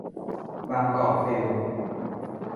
บางกอกฟิล์ม